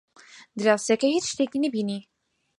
دراوسێکە هیچ شتێکی نەبینی.